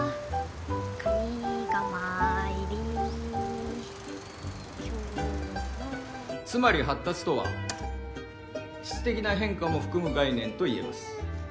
「カニカマ入り」「今日の」つまり発達とは質的な変化も含む概念といえます。